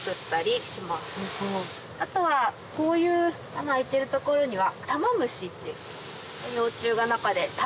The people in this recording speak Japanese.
あとはこういう穴開いてる所には。